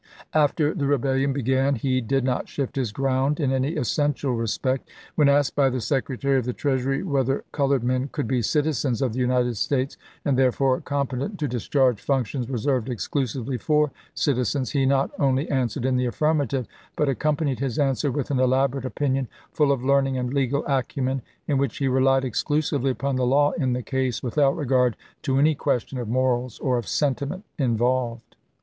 After the rebellion began he did not shift his ground in any essential respect. When asked by the Secretary of the Treasury whether colored men could be citizens of the United States and therefore competent to discharge functions reserved exclusively for citizens, he not only an "Opinians swere(l in the affirmative, but accompanied his °torul^ " answer with an elaborate opinion, full of learning Gv?i?rx!", and legal acumen, in which he relied exclusively upon the law in the case, without regard to any question of morals or of sentiment involved.